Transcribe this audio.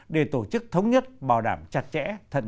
để tổ chức thống nhất bảo đảm chặt chẽ